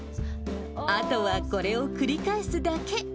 あとはこれを繰り返すだけ。